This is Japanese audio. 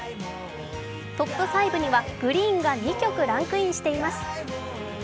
トップ５にはＧＲｅｅｅｅＮが２曲ランクインしています。